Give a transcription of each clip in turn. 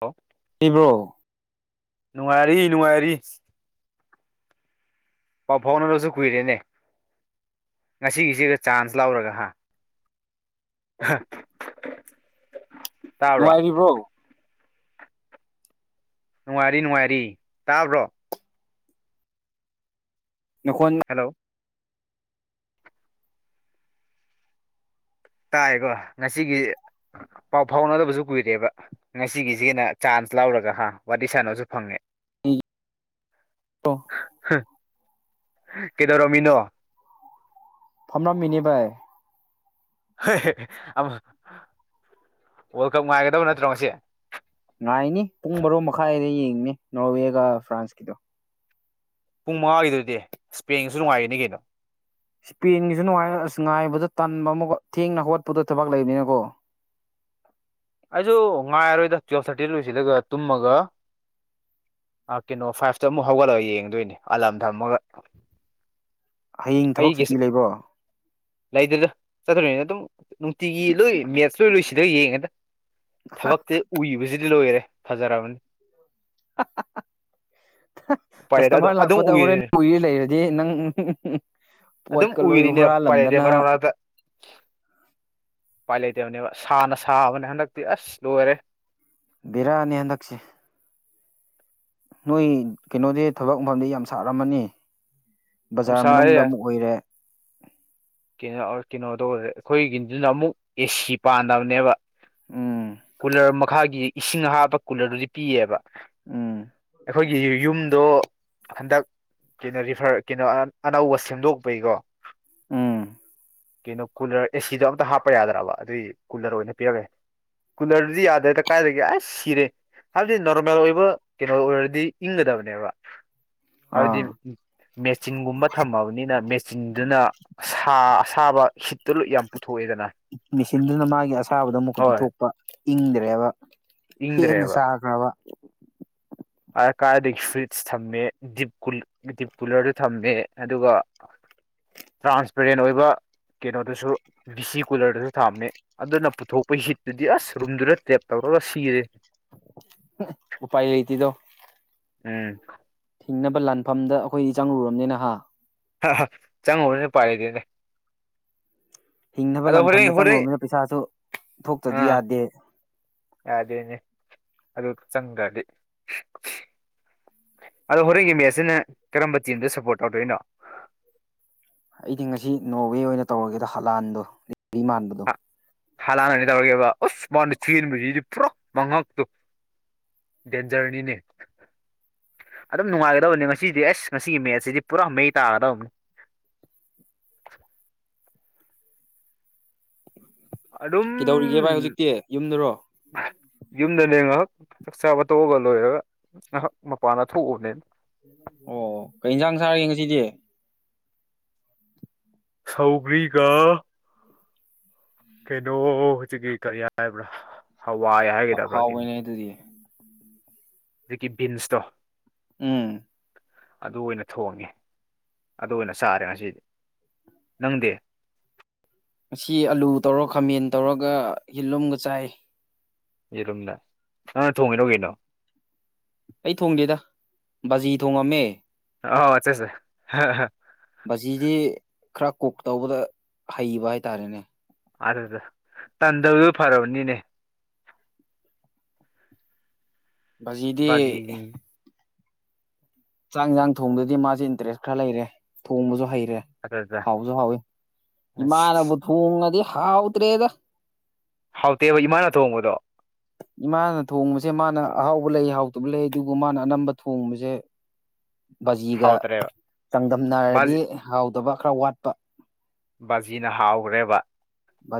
Hello ꯏꯕ꯭ꯔꯣ ꯅꯨꯡꯉꯥꯏꯔꯤ ꯅꯨꯡꯉꯥꯏꯔꯤ ꯄꯥꯎ ꯐꯥꯎꯅꯔꯁꯨ ꯀꯨꯏꯔꯦꯅꯦ ꯉꯁꯤꯒꯤꯁꯤꯒ ꯆꯥꯟꯁ ꯂꯧꯔꯒ ꯍꯥ ꯍꯥꯥ ꯅꯨꯡꯉꯥꯏꯔꯤꯕ꯭ꯔꯣ ꯅꯨꯡꯉꯥꯏꯔꯤ ꯅꯨꯡꯉꯥꯏꯔꯤ ꯇꯥꯕ꯭ꯔꯣ ꯅꯈꯣꯟ ꯍꯜꯂꯣ ꯇꯥꯏꯀꯣ ꯉꯁꯤꯒꯤ ꯄꯥꯎ ꯐꯥꯎꯅꯗꯕꯁꯨ ꯀꯨꯏꯔꯦꯕ ꯉꯁꯤꯒꯤꯁꯤꯅ ꯆꯥꯟꯁ ꯂꯧꯔꯒ ꯍꯥ ꯋꯥꯔꯤ ꯁꯥꯟꯅꯕꯁꯨ ꯐꯪꯉꯦ ꯎꯝ ꯇꯣ ꯀꯩꯗꯧꯔꯝꯃꯤꯅꯣ ꯐꯝꯃꯝ ꯃꯤꯅꯤ ꯚꯥꯢ ꯋꯥꯔꯜ ꯀꯞ ꯉꯥꯏꯒꯗꯕ ꯅꯠꯇ꯭ꯔꯣ ꯉꯁꯤ ꯉꯥꯏꯅꯤ ꯄꯨꯡ ꯕꯥꯔꯣ ꯃꯈꯥꯏꯗ ꯌꯦꯡꯅꯤ ꯅꯣꯔꯋꯦꯒ ꯐ꯭ꯔꯥꯟꯁ ꯀꯤꯗꯣ ꯄꯨꯡ ꯃꯉꯥꯒꯤꯗꯨꯗꯤ ꯏꯁ꯭ꯄꯦꯟꯁꯨ ꯅꯨꯡꯉꯥꯏꯒꯅꯤ ꯀꯩꯅꯣ ꯏꯁꯄꯦꯟꯒꯤꯁꯨ ꯅꯨꯡꯉꯥꯏ ꯑꯣ ꯉꯥꯏꯕꯗ ꯇꯥꯟꯕ ꯑꯃꯨꯛꯀ ꯊꯦꯡꯅ ꯍꯧꯒꯠꯄꯗꯣ ꯊꯕꯛ ꯂꯩꯕꯅꯤꯅꯀꯣ [unintelligible] ꯑꯩꯁꯨ ꯉꯥꯏꯔꯔꯣꯏꯗ ꯇꯨꯋꯦꯜꯐ ꯊꯥꯔꯇꯤꯗ ꯂꯣꯏꯁꯤꯂꯒ ꯇꯨꯝꯃꯒ ꯀꯩꯅꯣ ꯐꯥꯏꯚꯇ ꯑꯃꯨꯛ ꯍꯧꯒꯠꯂꯒ ꯌꯦꯡꯗꯣꯏꯅꯦ ꯑꯥꯂꯥꯝ ꯊꯝꯃꯒ ꯍꯌꯦꯡ ꯊꯕꯛ ꯁꯨꯇꯤ ꯂꯩꯕ꯭ꯔꯣ ꯂꯩꯇꯦꯗ ꯆꯠꯇꯣꯢꯅꯤꯗ ꯑꯗꯨꯝ ꯅꯨꯡꯇꯤꯒꯤ ꯂꯣꯏ ꯃꯦꯠꯁ ꯂꯣꯏ ꯌꯦꯡꯉꯦꯗ ꯁꯤꯗ ꯊꯕꯛꯇꯤ ꯎꯏꯕꯁꯤꯗꯤ ꯂꯣꯏꯔꯦ ꯐꯖꯔꯕꯅꯤ [unintelligible] ꯎꯄꯥꯏ ꯂꯩꯇꯦ ꯑꯗꯨꯝ ꯀꯁꯇꯃꯔ ꯑꯗꯨꯝ ꯂꯥꯛꯄꯗ ꯍꯣꯔꯦꯟ ꯎꯏꯔꯤꯅꯦ ꯎꯏꯔ ꯂꯩꯔꯗꯤ ꯅꯪ ꯄꯣꯠ ꯀ ꯂꯣꯍꯤ ꯍꯔꯥ ꯄꯂꯦꯗꯤ ꯃꯔꯅꯗ ꯎꯄꯥꯏ ꯂꯩꯇꯕꯅꯦꯕ ꯁꯥꯅ ꯁꯥꯕꯅꯦ ꯍꯟꯗꯛꯇꯤ ꯑꯁ ꯂꯣꯏꯔꯦ ꯕꯤꯔꯥꯅꯤ ꯍꯟꯗꯛꯁꯦ ꯅꯣꯏ ꯀꯩꯅꯣꯗꯤ ꯊꯕꯛ ꯃꯐꯝꯗꯤ ꯌꯥꯝ ꯁꯥꯔꯝꯃꯅꯤ ꯌꯥꯝ ꯕꯖꯥꯔ ꯃꯅꯨꯡꯗ ꯁꯥꯏꯌꯦ ꯑꯃꯨꯛ ꯑꯣꯏꯔꯦ ꯀꯩꯅꯣ ꯀꯩꯅꯣ ꯇꯧꯕꯦ ꯑꯩꯈꯣꯏꯒꯤꯁꯤꯅ ꯑꯃꯨꯛ ꯑꯦꯁꯤ ꯄꯥꯟꯗꯕꯅꯦꯕ ꯎꯝ ꯀꯨꯂꯔ ꯃꯈꯥꯒꯤ ꯏꯁꯤꯡ ꯍꯥꯞꯄ ꯀꯨꯂꯔꯗꯨꯗꯤ ꯄꯤꯌꯦꯕ ꯎꯝ ꯑꯩꯈꯣꯏꯒꯤ ꯌꯨꯝꯗꯣ ꯍꯟꯗꯛ ꯀꯩꯅꯣ ꯔꯤꯐꯔ ꯀꯩꯅꯣ ꯑꯅꯧꯕ ꯁꯦꯝꯗꯣꯛꯄꯩꯀꯣ ꯎꯝ ꯀꯩꯅꯣ ꯀꯨꯂꯔ ꯑꯦꯁꯤꯗꯣ ꯑꯝꯇ ꯍꯥꯞꯄ ꯌꯥꯗ꯭ꯔꯕ ꯑꯗꯨꯏ ꯀꯨꯂꯔ ꯑꯣꯏꯅ ꯄꯤꯔꯒꯦ ꯀꯨꯂꯔꯗꯨꯗꯤ ꯌꯥꯗ꯭ꯔꯦꯗ ꯀꯥꯏꯒꯦ ꯑꯁ ꯁꯤꯔꯦ ꯍꯥꯏꯕꯗꯤ ꯅꯣꯔꯃꯦꯜ ꯑꯣꯏꯕ ꯀꯩꯅꯣ ꯑꯣꯏꯔꯗꯤ ꯏꯪꯒꯗꯕꯅꯦꯕ ꯍꯥꯏꯕꯗꯤ ꯑꯥ ꯃꯦꯆꯤꯟꯒꯨꯝꯕ ꯊꯝꯃꯕꯅꯤꯅ ꯃꯦꯆꯤꯟꯗꯨꯅ ꯁꯥ ꯁꯥꯕ ꯍꯤꯠꯇꯨ ꯂ ꯌꯥꯝ ꯄꯨꯊꯣꯛꯑꯦꯗꯅ ꯃꯦꯆꯤꯟꯗꯨꯅ ꯃꯥꯒꯤ ꯑꯁꯥꯕꯗꯣ ꯑꯃꯨꯛꯀ ꯍꯣꯏ ꯄꯤꯊꯣꯛꯄ ꯏꯪꯗ꯭ꯔꯦꯕ ꯍꯦꯟꯅ ꯏꯪꯗ꯭ꯔꯦꯕ ꯆꯥꯈ꯭ꯔꯕ ꯀꯥꯏꯗꯒꯤ ꯐꯨꯔꯤꯠꯁ ꯊꯝꯃꯦ ꯗꯤꯞ ꯀꯨꯂꯔꯗꯨ ꯊꯝꯃꯦ ꯑꯗꯨꯒ ꯇ꯭ꯔꯥꯟꯁꯄꯦꯔꯦꯟ ꯑꯣꯏꯕ ꯀꯩꯅꯣꯗꯨꯁꯨ ꯕꯤ ꯁꯤ ꯀꯨꯂꯔꯗꯨꯁꯨ ꯊꯥꯝꯃꯦ ꯑꯗꯨꯅ ꯄꯨꯊꯣꯛꯄ ꯍꯤꯠꯇꯨꯗꯤ ꯑꯁ ꯔꯨꯝꯗꯨꯗ ꯇꯦꯞ ꯇꯧꯔ ꯃꯥ ꯁꯤꯒꯔꯦ ꯎꯥꯏ ꯂꯩꯇꯗꯣ ꯎꯝ ꯍꯤꯡꯅꯕ ꯂꯥꯟꯐꯝꯗ ꯑꯩꯈꯣꯏ ꯆꯪꯂꯪꯂꯨꯔꯕꯅꯤ ꯅꯍ ꯑ ꯆꯪꯉꯨꯔꯅꯦ ꯄꯥꯏꯔꯤꯗꯤꯅꯦ ꯍꯤꯡꯅꯕ ꯂꯥꯟꯐꯝꯗ ꯆꯪꯂꯨꯕꯅꯤꯅ ꯄꯩꯁꯥꯁꯨ ꯊꯣꯛꯇ꯭ꯔꯗꯤ ꯌꯥꯗꯦ ꯌꯥꯗꯅꯦ ꯑꯗꯨ ꯆꯪꯗꯤꯦ ꯑꯗꯣ ꯍꯣꯔꯦꯟꯒꯤ ꯃꯦꯠꯁꯁꯤꯅ ꯀꯔꯝꯕ ꯇꯤꯝꯗ ꯁꯞꯄꯣꯔꯠ ꯇꯧꯗꯣꯏꯅꯣ ꯑꯩꯗꯤ ꯉꯁꯤ ꯅꯣꯋꯦ ꯑꯣꯏꯅ ꯇꯧꯔꯒꯦꯗ ꯍꯂꯥꯟꯗꯣ ꯂꯤꯕꯤ ꯃꯥꯟꯕꯗꯣ ꯍꯂꯥꯟꯅ ꯇꯧꯔꯒꯦꯕ ꯑꯁ ꯃꯥꯉꯣꯟꯗ ꯆꯦꯟꯕꯁꯤꯗꯤ ꯭ꯔꯣ ꯃꯉꯛꯇꯨ ꯗꯦꯟꯖꯔꯅꯤꯅꯦ ꯑꯗꯨꯝ ꯅꯨꯡꯉꯥꯏꯒꯗꯕꯅꯤ ꯉꯁꯤꯗꯤ ꯑꯁ ꯉꯁꯤꯒꯤ ꯃꯦꯠꯁꯁꯤꯗꯤ ꯄꯨꯔꯥ ꯃꯩ ꯇꯥꯒꯗꯕꯅꯤ [unintelligible] [inaudible] ꯑꯗꯨꯝ ꯀꯩꯗꯧꯔꯤꯒꯦ ꯚꯥꯏ ꯍꯧꯖꯤꯛꯇꯤ ꯌꯨꯝꯗꯔꯣ ꯌꯨꯝꯗꯅꯦꯉꯛ ꯆꯥꯛ ꯆꯥꯕ ꯇꯧꯔꯒ ꯂꯣꯏꯔꯒ ꯉꯥꯏꯍꯥꯛ ꯃꯄꯥꯟꯗ ꯊꯣꯛꯎꯕꯅꯦꯅ ꯑꯣ ꯀꯩ ꯌꯦꯟꯁꯥꯡ ꯁꯥꯔꯒꯦ ꯉꯁꯤꯗꯤ ꯁꯥꯎꯒꯔꯤꯒ ꯀꯩꯅꯣ ꯍꯧꯖꯤꯛꯀꯤ ꯀꯔꯤ ꯍꯥꯏꯕ꯭ꯔꯥ ꯍꯋꯥꯏ ꯍꯥꯏꯒꯗꯕ꯭ꯔꯥ ꯀꯣ ꯍꯥꯎꯕꯅꯦ ꯑꯗꯨꯗꯤ ꯖꯤꯛꯀꯤ ꯕꯤꯟꯁꯇꯣ ꯎꯝ ꯑꯗꯨ ꯑꯣꯏꯅ ꯊꯣꯡꯉꯦ ꯑꯗꯨ ꯑꯣꯏꯅ ꯆꯥꯔꯦ ꯉꯁꯤꯗꯤ ꯅꯪꯗꯦ ꯉ ꯑꯂꯨ ꯇꯧꯔ ꯈꯥꯃꯦꯟ ꯇꯧꯔꯒ ꯌꯦꯜꯂꯨꯝꯒ ꯆꯥꯏ ꯌꯦꯔꯨꯝꯗ ꯅꯪ ꯅ ꯊꯣꯡꯉꯤꯩꯅꯣ ꯀꯩꯅꯣ ꯑꯩ ꯊꯣꯡꯒꯦꯗ ꯕꯥꯖꯤ ꯊꯣꯡꯉꯝꯃꯦ ꯑꯥꯎ ꯆꯆꯦꯁꯦ ꯕꯥꯖꯤꯗꯤ ꯈꯔ ꯀꯨꯛ ꯇꯧꯕꯗ ꯍꯩꯕ ꯍꯥꯏꯇꯥꯔꯦꯅꯦ ꯑꯗꯨꯗ ꯇꯟꯗꯕꯗꯨ ꯐꯔꯔꯕꯅꯤꯅꯦ ꯖꯤꯗꯤ ꯕꯥꯖꯤ ꯆꯥꯛꯟꯥꯡ ꯊꯣꯡꯗꯗꯤ ꯃꯥꯁꯦ ꯏꯟꯇꯔꯦꯁ ꯈꯔ ꯂꯩꯔꯦ ꯊꯣꯡꯕꯁꯨ ꯍꯩꯔꯦ ꯁꯦ ꯑꯗꯨꯗ ꯍꯥꯎꯁꯨ ꯍꯥꯎꯋꯤ ꯑꯁ ꯏꯃꯥꯅꯕꯨ ꯊꯣꯡꯉꯗꯤ ꯍꯥꯎꯗ꯭ꯔꯦꯗ ꯍꯥꯎꯇꯦꯕ ꯏꯃꯥꯅ ꯊꯣꯡꯕꯗꯣ ꯏꯃꯥꯅ ꯊꯣꯡꯕꯁꯦ ꯃꯥꯅ ꯑꯍꯥꯎꯕ ꯂꯩ ꯍꯥꯎꯇꯕ ꯂꯩ ꯑꯗꯨꯕꯨ ꯃꯥꯅ ꯑꯅꯝꯕ ꯊꯣꯡꯕꯁꯦ ꯕꯥꯖꯤꯒ ꯍꯥꯎꯇ꯭ꯔꯦꯕ ꯆꯥꯡꯗꯝꯅꯔꯗꯤ ꯕꯥꯖꯤ ꯍꯥꯎꯗꯕ ꯈꯔ ꯋꯥꯠꯄ ꯕꯥꯖꯤꯅ ꯍꯥꯎꯈ꯭ꯔꯦꯕ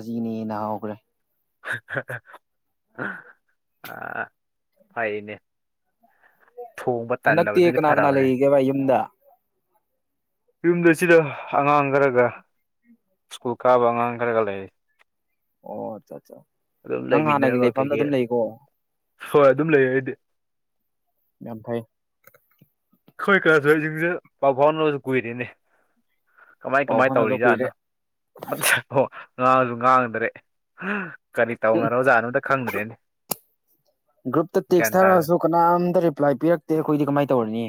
ꯖꯤꯅꯦꯅ ꯍꯧꯈ꯭ꯔꯦ ꯑ ꯐꯩꯅꯦ ꯊꯣꯡꯕ ꯅꯛ ꯇꯟꯗꯕꯗꯨꯗꯤ ꯑꯦꯅꯥꯀꯅꯥ ꯐꯔꯕꯅꯦ ꯂꯩ ꯀꯦꯕꯥ ꯌꯨꯝꯗ ꯌꯨꯝꯗ ꯁꯤꯗ ꯑꯉꯥꯡ ꯈꯔꯒ ꯁ꯭ꯀꯨꯜ ꯀꯥꯕ ꯑꯉꯥꯡ ꯈꯔꯒ ꯂꯩ ꯑꯣ ꯑꯆꯥ ꯑꯆꯥ ꯑꯗꯨꯝ ꯅꯪ ꯍꯥꯟꯅꯒꯤ ꯂꯩꯃꯤꯟꯅꯔꯒ ꯂꯩꯐꯝꯗ ꯀꯩꯀꯩ ꯑꯗꯨꯝ ꯂꯩꯀꯣ ꯍꯣꯏ ꯑꯗꯨꯝ ꯂꯩ ꯑꯩꯗꯤ ꯝꯐꯥꯏ ꯑꯩꯈꯣꯏ ꯀꯔꯁꯨ ꯑꯩꯁꯤꯡꯁꯦ ꯄꯥꯎ ꯐꯥꯎꯅꯕꯁꯨ ꯀꯨꯏꯔꯤꯅꯦ ꯀꯃꯥꯏ ꯄꯥꯎ ꯀꯃꯥꯏ ꯐꯥꯎꯅꯗ ꯀꯨꯏꯔꯦ ꯇꯧꯔꯤꯖꯥꯠꯅꯣ ꯑꯃ ꯉꯥꯡꯁꯨ ꯉꯥꯡꯗ꯭ꯔꯦ ꯀꯔꯤ ꯇꯧꯅꯔꯣ ꯑꯣꯖꯥꯅꯣꯝꯇ ꯈꯪꯗ꯭ꯔꯦꯅꯤ ꯒ꯭ꯔꯨꯞꯇ ꯇꯦꯛꯁ ꯊꯥꯔꯛꯑꯁꯨ ꯀꯅꯥꯝꯇ ꯔꯤꯄ꯭ꯂꯥꯏ ꯄꯤꯔꯛꯇꯦ ꯑꯩꯈꯣꯏꯗꯤ ꯀꯃꯥꯏꯅ ꯇꯧꯔꯅꯤ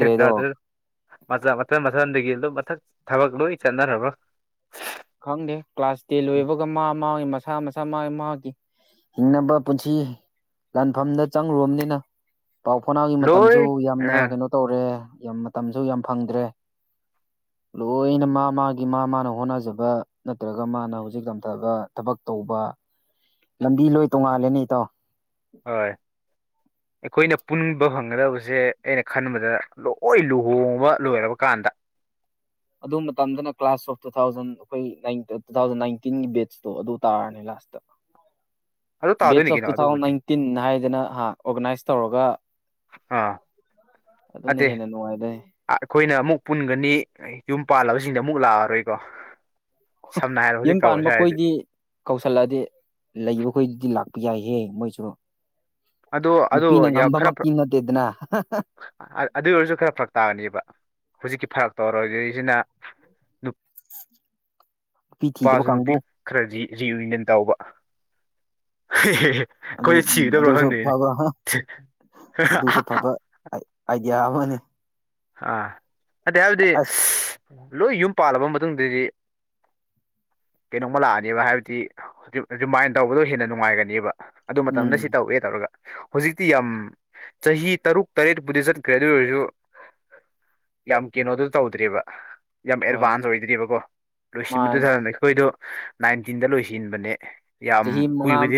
ꯈꯈꯤꯗ ꯃ ꯃ ꯃꯁꯒꯜ ꯃ ꯊꯕꯛ ꯆ ꯍꯕꯛ ꯈꯪꯗꯦ ꯀ꯭ꯂꯥꯁ ꯇꯦꯟ ꯂꯣꯏꯕꯒ ꯃꯥ ꯃꯥꯒꯤ ꯃꯁꯥ ꯃꯁꯥ ꯏꯁ ꯃꯥ ꯃꯥꯒꯤ ꯍꯤꯡꯅꯕ ꯄꯨꯟꯁꯤ ꯂꯥꯟꯐꯝꯗ ꯆꯪꯂꯨꯕꯅꯤꯅ ꯄꯥꯎ ꯐꯥꯎꯅꯥꯒꯤ ꯂꯣꯏ ꯃꯇꯝꯁꯨ ꯑ ꯌꯥꯝꯅ ꯀꯩꯅꯣ ꯇꯧꯔꯦ ꯌꯥꯝ ꯃꯇꯝꯁꯨ ꯌꯥꯝ ꯐꯪꯗ꯭ꯔꯦ ꯂꯣꯏꯅ ꯃꯥ ꯃꯥꯒꯤ ꯃꯥ ꯃꯥꯅ ꯍꯣꯠꯅꯖꯕ ꯅꯠꯇ꯭ꯔꯒ ꯃꯥꯅ ꯍꯧꯖꯤꯛ ꯂꯊꯕ ꯊꯕꯛ ꯇꯧꯕ ꯂꯝꯕꯤ ꯂꯣꯏ ꯇꯣꯡꯉꯥꯜꯂꯦꯅꯦ ꯏꯇꯣ ꯍꯣꯏ ꯑꯩꯈꯣꯏꯅ ꯄꯨꯟꯕ ꯐꯪꯒꯗꯕꯁꯦ ꯑꯩꯅ ꯈꯟꯕꯗ ꯂꯣꯏ ꯂꯨꯍꯣꯡꯕ ꯂꯣꯏꯔꯕ ꯀꯥꯟꯗ ꯑꯗꯨ ꯃꯇꯝꯗꯅ ꯀ꯭ꯂꯥꯁ ꯑꯣꯐ ꯇꯨ ꯊꯥꯎꯖꯟ ꯑꯩꯈꯣꯏ ꯇꯨ ꯊꯥꯎꯖꯟ ꯅꯥꯏꯟꯇꯤꯟꯒꯤ ꯕꯦꯠꯁꯇꯣ ꯑꯗꯨ ꯇꯥꯔꯅꯤ ꯑꯁ ꯑꯗꯨ ꯕꯦꯠꯁ ꯇꯥꯗꯣꯏꯅꯤ ꯑꯣꯐ ꯀꯩꯅꯣ ꯇꯨ ꯊꯥꯎꯖꯟ ꯑꯗꯨꯕꯨꯗꯤ ꯅꯥꯏꯟꯇꯤꯟ ꯍꯥꯏꯗꯅ ꯑꯣꯔꯒꯅꯥꯏꯁ ꯇꯧꯔꯒ ꯑꯥ ꯑꯗꯨꯅ ꯅꯠꯇꯦ ꯍꯦꯟꯅ ꯅꯨꯡꯉꯥꯏꯖꯦ ꯑꯩꯈꯣꯏꯅ ꯑꯃꯨꯛ ꯄꯨꯟꯒꯅꯤ ꯌꯨꯝ ꯄꯥꯜꯂꯕꯁꯤꯡꯗ ꯑꯃꯨꯛ ꯂꯥꯛꯑꯔꯣꯏꯀꯣ ꯁꯝꯅ ꯍꯥꯏꯔꯕ ꯍꯧꯖꯤꯛ ꯌꯨꯝ ꯄꯥꯟꯕ ꯇꯧꯔꯁꯦ ꯍꯥꯏꯔꯗꯤ ꯈꯣꯏꯗꯤ ꯀꯧꯁꯜꯂꯛꯑꯗꯤ ꯂꯩꯕꯈꯣꯏꯗꯤ ꯂꯥꯛ ꯌꯥꯏꯍꯦ ꯃꯣꯏꯁꯨ ꯑꯗꯣ ꯑꯗꯣ ꯅꯨꯄꯤꯅ ꯈꯔ ꯉꯝꯕꯃꯛꯇꯤ ꯅꯗꯦꯗꯅ ꯑꯗꯨ ꯑꯣꯏꯔꯁꯨ ꯈꯔ ꯐꯔꯛ ꯇꯥꯒꯅꯦꯕ ꯍꯧꯖꯤꯛꯀꯤ ꯊꯥꯛ ꯇꯧꯔꯗꯩꯁꯤꯅ ꯅꯨꯄꯤ ꯊꯤꯗꯕ ꯅꯨꯄꯥꯁꯨ ꯅꯨꯄꯤ ꯀꯥꯡꯕꯨ ꯈꯔꯗꯤ ꯔꯤꯌꯨꯅꯤꯌꯟ ꯇꯧꯕ ꯑꯗꯨ ꯑꯩꯈꯣꯏ ꯎꯝ ꯁꯤꯒꯗꯕ꯭ꯔꯥ ꯑꯗꯨꯁꯨ ꯈꯪꯗꯦꯅꯦ ꯐꯕ ꯑꯗꯨꯁꯨ ꯐꯕ ꯍꯥꯏ ꯑꯌꯥꯃꯅꯤ ꯑꯥ ꯑꯗꯨꯗꯤ ꯍꯥꯏꯕꯗꯤ ꯂꯣꯏ ꯌꯨꯝ ꯄꯥꯜꯂꯕ ꯃꯇꯨꯡꯗꯗꯤ ꯀꯩꯅꯣꯝꯃ ꯂꯥꯛꯑꯅꯦꯕ ꯍꯥꯏꯕꯗꯤ ꯍꯧꯖꯤꯛ ꯔꯤꯃꯥꯏꯟ ꯇꯧꯕꯗꯣ ꯍꯦꯟꯅ ꯅꯨꯡꯉꯥꯏꯒꯅꯦꯕ ꯑꯗꯨ ꯃꯇꯝꯗ ꯎꯝ ꯁꯤ ꯇꯧꯑꯦ ꯇꯧꯔꯒ ꯍꯧꯖꯤꯛꯇꯤ ꯌꯥꯝ ꯆꯍꯤ ꯇꯔꯨꯛ ꯇꯔꯦꯠꯄꯨꯗꯤ ꯆꯠꯈ꯭ꯔꯦ ꯑꯗꯨ ꯑꯣꯏꯔꯁꯨ ꯌꯥꯝ ꯀꯩꯅꯣꯗꯨ ꯇꯧꯗ꯭ꯔꯤꯕ ꯌꯥꯝ ꯍꯣꯏ ꯑꯦꯗꯚꯥꯟꯁ ꯑꯣꯏꯗ꯭ꯔꯤꯕꯑꯔꯤꯕꯀꯣ ꯂꯣꯏꯁꯤꯟꯕꯗꯨ ꯃꯥꯅꯦ ꯊ ꯑꯩꯈꯣꯏꯗꯣ ꯅꯥꯏꯟꯇꯤꯟꯗ ꯂꯣꯏꯁꯤꯟꯕꯅꯦ ꯌꯥꯝ ꯆꯍꯤ ꯃꯉꯥ ꯀꯨꯏꯕꯗꯤ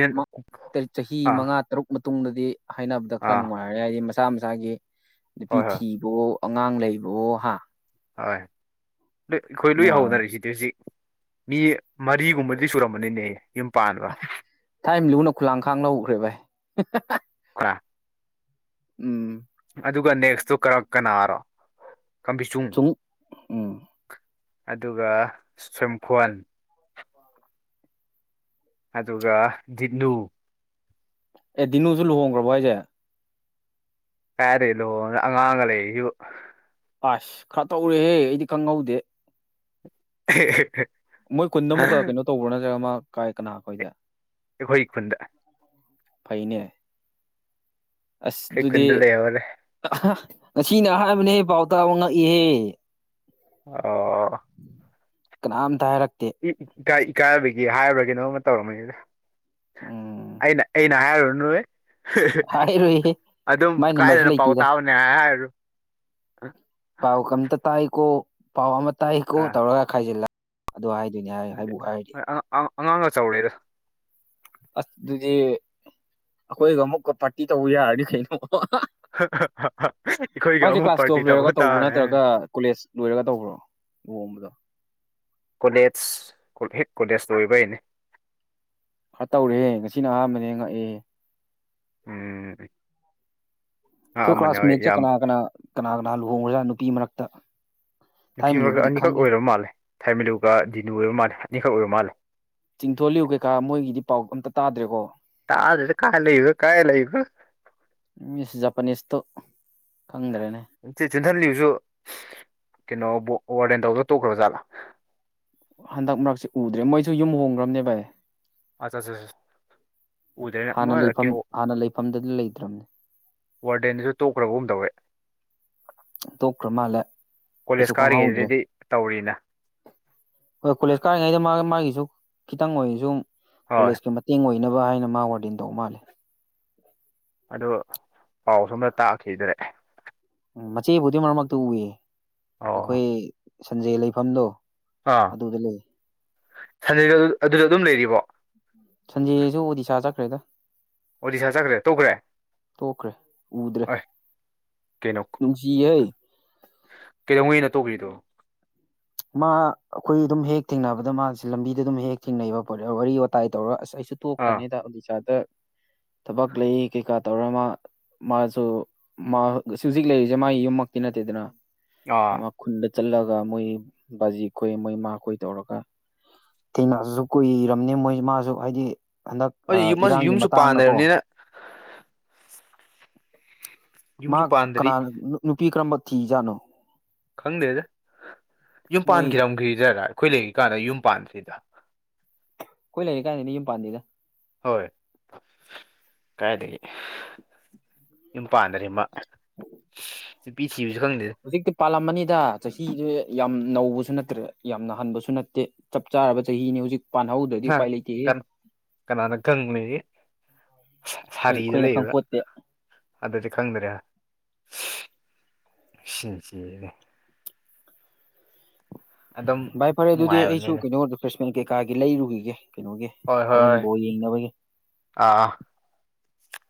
ꯆꯍꯤ ꯑꯥ ꯃꯉꯥ ꯇꯔꯨꯛ ꯃꯇꯨꯡꯗꯗꯤ ꯍꯥꯏꯅꯕꯗ ꯈꯔ ꯑꯥ ꯅꯨꯡꯉꯥꯏꯔ ꯌꯥꯗꯤ ꯃꯆꯥ ꯃꯁꯥꯒꯤ ꯅꯨꯄꯤ ꯍꯣꯏ ꯍꯣꯏ ꯊꯤꯕꯣ ꯑꯉꯥꯡ ꯂꯩꯕꯋꯣ ꯍꯥ ꯍꯣꯏ ꯑꯩꯈꯣꯏ ꯂꯣꯏ ꯅꯨꯡꯉꯥꯏ ꯍꯧꯅꯔꯤꯁꯤꯗꯤ ꯍꯧꯖꯤꯛ ꯃꯤ ꯃꯔꯤꯒꯨꯝꯕꯗꯤ ꯁꯨꯔꯝꯕꯅꯤꯅꯦ ꯊꯥꯏꯅ ꯂꯨꯅ ꯈꯨꯂꯥꯡꯈꯥꯡ ꯂꯧꯈ꯭ꯔꯦ ꯚꯥꯏ ꯀ [inaudible] ꯎꯝ ꯑꯗꯨꯒ ꯅꯦꯛꯁꯇꯣ ꯀꯅꯥꯔꯣ ꯀꯥꯝꯕꯤꯆꯨꯡ ꯁꯨꯡ ꯎꯝ ꯑꯗꯨꯒ ꯁꯝꯈꯣꯟ ꯑꯗꯨꯒ ꯗꯤꯅꯨ ꯑꯦ ꯗꯤꯅꯨꯁꯨ ꯂꯨꯍꯣꯡꯈ꯭ꯔꯕꯣ ꯍꯥꯏꯁꯦ ꯀꯥꯏꯗꯩ ꯂꯨꯍꯣꯡꯉꯥꯒ ꯑꯉꯥꯡꯒ ꯂꯩꯁꯤꯕꯨ ꯑꯁ ꯈꯔ ꯇꯧꯔꯦꯍꯦ ꯑꯩꯗꯤ ꯈꯪꯍꯧꯗꯦ [unintelligible] ꯃꯣꯏ ꯀꯨꯟꯗ ꯑꯃꯨꯛꯀ ꯀꯩꯅꯣ ꯇꯧꯕ꯭ꯔꯣꯥ ꯅꯠꯇ꯭ꯔꯒ ꯃꯥ ꯀꯥꯏ ꯀꯅꯥ ꯀꯣꯏꯒꯦ ꯑꯩꯈꯣꯏ ꯈꯨꯟꯗ ꯐꯩꯅꯦ ꯑꯁ ꯑꯩꯈꯣꯏ ꯑꯗꯨꯗꯤ ꯈꯨꯟꯗ ꯂꯩꯍꯧꯔꯦ ꯑꯁꯤꯅ ꯑꯍꯥꯟꯕꯅꯦꯍꯦ ꯄꯥꯎꯇꯥꯕ ꯉꯛꯏꯍꯦ ꯑꯣ ꯀꯅꯥꯝ ꯊꯥ ꯍꯥꯏꯔꯛ ꯏꯀꯥꯏꯅꯕꯒꯤ ꯍꯥꯏꯕ꯭ꯔꯥ ꯀꯩꯅꯣꯝꯃ ꯇꯧꯔꯝꯃꯅꯤꯗ ꯎꯝ ꯑꯩꯅ ꯑꯩꯅ ꯍꯥꯏꯔꯨ ꯅꯣꯏ ꯍꯥꯏꯔꯣꯏꯍꯦ ꯑꯗꯨꯝ ꯃꯥꯏ ꯀꯥꯏꯗꯅ ꯄꯥꯎ ꯇꯥꯕꯅꯦ ꯍꯥꯏ ꯍꯥꯏꯔꯨ ꯄꯥꯎꯥ ꯀꯝꯇ ꯇꯥꯏ ꯀꯣ ꯄꯥꯎ ꯑꯃ ꯇꯥꯏ ꯍꯀꯣ ꯇꯧꯔꯒ ꯈꯥꯏꯖꯤꯜꯂꯒ ꯑꯗꯨ ꯍꯥꯏꯗꯤ ꯍꯥꯏꯗꯤ ꯑꯉꯥꯡꯒ ꯆꯥꯎꯔꯦꯗ ꯑꯁ ꯑꯗꯨꯗꯤ ꯑꯩꯈꯣꯏꯒ ꯑꯃꯨꯛꯀ ꯄꯥꯔꯇꯤ ꯇꯧꯕ ꯌꯥꯔꯅꯤ ꯀꯩꯅꯣ ꯑꯩꯈꯣꯏꯒ ꯃꯥꯁꯦ ꯑꯃꯨꯛ ꯀ꯭ꯂꯥꯁ ꯄꯥꯔꯇꯤ ꯇꯨꯋꯦꯜꯐ ꯇꯧꯕ ꯂꯣꯏꯔꯒ ꯇꯧꯕ꯭ꯔꯣ ꯇꯥꯔꯦ ꯅꯠꯇ꯭ꯔꯒ ꯀꯣꯂꯦꯖ ꯂꯣꯏꯔꯒ ꯇꯧꯕ꯭ꯔꯣ ꯂꯨꯍꯣꯡꯕꯗꯣ ꯀꯣꯂꯦꯖ ꯍꯦꯛ ꯀꯣꯂꯦꯖ ꯂꯣꯏꯕꯩꯒꯅꯦ ꯈꯥꯇꯧꯔꯦꯍꯦ ꯉꯁꯤꯅ ꯑꯍꯥꯟꯕꯅꯦ ꯉꯛꯑꯦ ꯎꯝ ꯑꯥ ꯑꯩꯈꯣꯏ ꯑꯃꯅ ꯌꯥꯎꯔꯦ ꯀ꯭ꯂꯥꯁꯃꯦꯠꯁꯦ ꯌꯥꯝ ꯀꯅꯥ ꯀꯅꯥ ꯀꯅꯥ ꯀꯅꯥ ꯂꯨꯍꯣꯡꯒ꯭ꯔꯥ ꯅꯨꯄꯤ ꯃꯔꯛꯇ ꯊꯥꯏꯝ ꯅꯨꯄꯤꯃ ꯂꯨꯕꯨꯗꯤ ꯑꯅꯤꯈꯛ ꯈꯪꯉꯤ ꯑꯣꯏ ꯃꯥꯜꯂꯦ ꯊꯥꯏꯃꯂꯨꯒ ꯗꯤꯅꯨ ꯑꯣꯏꯔꯕ ꯃꯥꯜꯂꯦ ꯑꯅꯤꯈꯛ ꯑꯣꯏꯔꯕ ꯃꯥꯜꯂꯦ ꯆꯤꯡꯊꯣꯂꯤꯎ ꯀꯩꯀꯥ ꯃꯣꯏꯒꯤꯗꯤ ꯄꯥꯎ ꯑꯝꯇ ꯇꯥꯗ꯭ꯔꯦꯀꯣ ꯇꯥꯗꯔꯦꯗ ꯀꯥꯏ ꯂꯩꯕ ꯀꯥꯏ ꯂꯩꯕ ꯇꯣ ꯈꯪꯗ꯭ꯔꯦꯅꯦ ꯆꯤꯟꯓꯜꯂꯤꯕꯁꯨ ꯀꯩꯅꯣ ꯋꯥꯔꯗꯦꯟ ꯇꯧꯗ ꯇꯣꯛꯈ꯭ꯔꯕ ꯖꯥꯠꯂꯥ ꯍꯟꯗꯛ ꯃꯔꯛꯁꯦ ꯎꯗ꯭ꯔꯦ ꯃꯣꯏꯁꯨ ꯌꯨꯝ ꯍꯣꯡꯈ꯭ꯔꯕꯅꯦ ꯚꯥꯏ ꯑꯠꯆꯥ ꯆꯥ ꯆꯥ ꯎꯗ꯭ꯔꯦꯅꯦ ꯍꯥꯟꯅ ꯑꯃ ꯂꯩꯐꯝ ꯀꯩꯅꯣ ꯍꯥꯟꯅ ꯂꯩꯐꯝꯗꯨꯗꯤ ꯂꯩꯇ꯭ꯔꯕꯅꯦ ꯋꯥꯔꯗꯦꯟꯗꯨꯁꯨ ꯇꯣꯛꯈ꯭ꯔꯕꯒꯨꯝ ꯇꯧꯋꯦ ꯇꯣꯛꯈ꯭ꯔ ꯃꯥꯜꯂꯦ ꯑꯩꯁꯨ ꯀꯣꯂꯦꯖ ꯈꯪꯍꯧꯗ꯭ꯔꯦ ꯀꯥꯔꯤꯉꯩꯗꯗꯤ ꯇꯧꯔꯤꯅ ꯍꯣꯏ ꯀꯣꯂꯦꯖ ꯀꯥꯔꯤꯉꯩꯗ ꯃꯥ ꯃꯥꯒꯤꯁꯨ ꯈꯤꯇꯪ ꯑꯣꯏꯔꯤꯁꯨ ꯍꯣꯏ ꯀꯣꯂꯦꯖꯀꯤ ꯃꯇꯦꯡ ꯑꯣꯏ ꯐꯣꯏꯅꯕ ꯍꯥꯏꯅ ꯃꯥ ꯋꯥꯔꯗꯦꯟ ꯇꯧꯕ ꯃꯥꯜꯂꯦ ꯑꯗꯣ ꯄꯥꯎ ꯁꯣꯝꯗ ꯇꯥꯛꯈꯤꯗꯔꯦ ꯎꯝ ꯃꯆꯦꯕꯨꯗꯤ ꯃꯔꯛ ꯃꯔꯛꯇ ꯎꯏ ꯑꯣ ꯑꯩꯈꯣꯏ ꯁꯟꯖꯦ ꯂꯩꯐꯝꯗꯣ ꯑꯗꯨꯗ ꯂꯩ ꯁꯟꯖꯦꯒ ꯗꯣ ꯑꯗꯨꯗ ꯑꯗꯨꯝ ꯂꯩꯔꯤꯕꯣ ꯁꯟꯖꯦꯁꯨ ꯑꯣꯗꯤꯁꯥ ꯆꯠꯈ꯭ꯔꯦꯗ ꯑꯣꯗꯤꯁꯥ ꯆꯠꯈ꯭ꯔꯦ ꯇꯧꯈ꯭ꯔꯦ ꯇꯣꯛꯈ꯭ꯔꯦ ꯎꯗ꯭ꯔꯦ ꯑꯥꯏ ꯀꯩꯅꯣ ꯅꯨꯡꯁꯤꯍꯦ ꯀꯩꯗꯧꯉꯩꯅꯣ ꯇꯣꯛꯈ꯭ꯔꯤꯗꯣ ꯃꯥ ꯑꯩꯈꯣꯏ ꯑꯗꯨꯝ ꯍꯦꯛ ꯊꯦꯡꯅꯕꯗ ꯃꯥꯁꯦ ꯂꯝꯕꯤꯗ ꯑꯗꯨꯝ ꯍꯦꯛ ꯊꯦꯡꯅꯩꯕ ꯄꯣꯠ ꯋꯥꯔꯤ ꯋꯥꯇꯥꯏ ꯇꯧꯔꯒ ꯑꯁ ꯑꯩ ꯁꯨ ꯑꯥ ꯇꯣꯛꯈ꯭ꯔꯅꯤꯗ ꯎꯗꯤꯁꯥꯗ ꯊꯕꯛ ꯂꯩ ꯀꯩꯀꯥ ꯇꯧꯔ ꯃ ꯃꯥꯁꯨ ꯃꯥ ꯍꯧꯖꯤꯛ ꯂꯩꯔꯤꯁꯦ ꯃꯥꯒꯤ ꯌꯨꯝꯃꯛꯇꯤ ꯅꯠꯇꯦꯗꯅ ꯑꯥ ꯈꯨꯟꯗ ꯆꯠꯂꯒ ꯃꯣꯏ ꯕꯥꯖꯤ ꯈꯣꯏ ꯃꯣꯏ ꯏꯃꯥꯈꯣꯏ ꯇꯧꯔꯒ ꯊꯦꯡꯅꯥꯁꯤꯁꯨ ꯀꯨꯏꯔꯕꯝꯅꯤ ꯃꯣꯏ ꯃꯥꯁꯨ ꯍꯥꯏꯗꯤ ꯍꯟꯗꯛ ꯍꯧꯖꯤꯛ ꯌꯨꯝ ꯃꯥꯁꯨ ꯏꯔꯥꯡꯒꯤ ꯌꯨꯝꯁꯨ ꯃꯇꯥꯡꯅꯀꯣ꯫ ꯄꯥꯟꯗ꯭ꯔꯕꯅꯤꯅ ꯃꯥ ꯌꯨꯝꯁꯨ ꯀꯅꯥ ꯄꯥꯟꯗ꯭ꯔꯤ ꯅꯨꯄꯤ ꯀꯔꯝꯕ ꯊꯤꯖꯥꯠꯅꯣ꯫ ꯈꯪꯗꯦꯗ ꯌꯨꯝ ꯃꯣꯏ ꯄꯥꯟꯈꯤꯔꯝꯒꯤꯖꯥꯠꯂꯥ ꯑꯩꯈꯣꯏ ꯂꯩꯔꯤ ꯀꯥꯟꯗ ꯌꯨꯝ ꯄꯥꯟꯗ꯭ꯔꯤꯗ꯫ ꯈꯣꯢ [unintelligible] ꯌꯨꯝ ꯄꯥꯟꯗ꯭ꯔꯤꯗ꯫ ꯍꯣꯏ ꯀꯥꯏꯗꯒꯤ ꯌꯨꯝ ꯄꯥꯟꯗꯔꯤ ꯃꯥ꯫ [unintelligible] [unintelligible] ꯍꯧꯖꯤꯛꯇꯤ ꯄꯥꯜꯂꯝꯃꯅꯤꯗ ꯆꯍꯤꯖꯦ ꯌꯥꯝ ꯅꯧꯕꯁꯨ ꯅꯠꯇ꯭ꯔꯦ ꯌꯥꯝꯅ ꯍꯟꯕꯁꯨ ꯅꯠꯇꯦ ꯆꯞ ꯆꯥꯔꯕ ꯆꯍꯤꯅꯦ ꯍꯧꯖꯤꯛ ꯄꯥꯟꯍꯧꯗ꯭ꯔꯥꯗꯤ ꯎꯄꯥꯢ ꯂꯩꯇꯦꯍꯦ꯫ ꯀꯅꯥꯅ ꯈꯪꯕꯅꯤ ꯑꯩꯈꯣꯏ ꯁꯥꯔꯤꯗ ꯑꯩꯈꯣꯏꯅ ꯂꯩꯕ꯭ꯔꯥ ꯈꯪꯄꯣꯠꯇꯦ꯫ ꯑꯗꯨꯗꯤ ꯈꯪꯗ꯭ꯔꯦ ꯁꯤ [unintelligible] ꯑꯗꯨꯝ ꯚꯥꯏ ꯐꯔꯦ ꯑꯗꯨꯗꯤ ꯑꯩꯁꯨ ꯅꯨꯡꯉꯥꯏꯕꯅꯤꯅꯦ ꯀꯩꯅꯣ ꯔꯤꯐ꯭ꯔꯦꯁꯃꯦꯟ ꯀꯩꯀꯥꯒꯤ ꯂꯩꯔꯨꯒꯤꯒꯦ꯫ ꯀꯩꯅꯣꯒꯤ ꯍꯣꯏ ꯍꯣꯏ ꯍꯣꯏ ꯍꯣꯔꯦꯟꯕꯣ ꯌꯦꯡꯅꯕꯒꯤ꯫ ꯑꯥ ꯑꯥ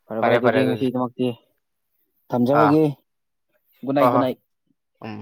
ꯐꯔꯦ ꯚꯥꯏ ꯑꯗꯨꯗꯤ ꯉꯁꯤꯗꯃꯛꯇꯤ ꯑꯥ ꯊꯝꯖꯔꯒꯦ ꯒꯨꯅꯥꯏ ꯍꯣꯏ ꯍꯣꯏ ꯒꯨꯅꯥꯏ꯫ ꯎꯝ